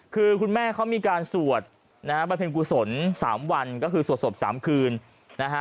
คือคุณแม่เขามีการสวดนะฮะบรรเพ็งกุศล๓วันก็คือสวดศพ๓คืนนะฮะ